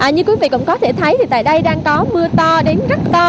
như quý vị cũng có thể thấy thì tại đây đang có mưa to đến rất to